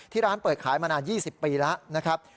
ร้านเปิดขายมานาน๒๐ปีแล้วนะครับ